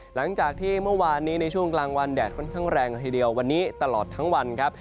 หลังจากที่เมื่อวานนี้ในช่วงกลางวันแดดค่อนข้างแรงละทีเดียววันนี้ตลอดทั้งวันครับ